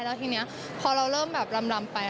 แล้วทีนี้พอเราเริ่มแบบลำไป